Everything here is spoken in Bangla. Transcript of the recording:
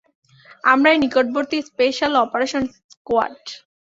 আমরাই নিকটবর্তী স্পেশাল অপারেশন স্কোয়াড।